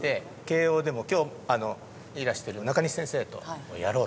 慶應でも今日いらしてる中西先生とやろうと。